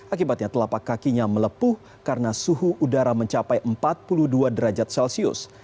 akibatnya telapak kakinya melepuh karena suhu udara mencapai empat puluh dua derajat celcius